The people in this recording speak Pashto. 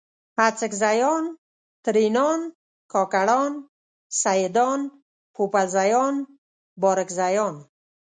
اڅکزیان، ترینان، کاکړان، سیدان ، پوپلزیان، بارکزیان